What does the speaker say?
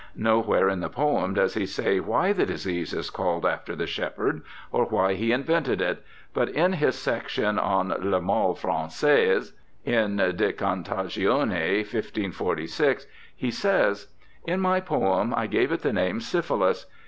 Nowhere in the poem does he say why the disease is called after the shepherd or why he invented it, but in his section on ' le mal Francais ' in de Contagione, 1546, he says :* In my poem I gave it the name syphilis.'